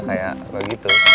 kayak kayak gitu